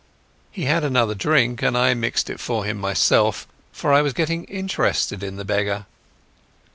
He had another drink, and I mixed it for him myself, for I was getting interested in the beggar.